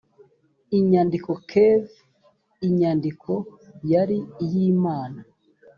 inyandiko kv inyandiko yari iy imana